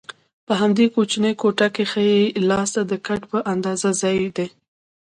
په همدې کوچنۍ کوټه کې ښي لاسته د کټ په اندازه ځای دی.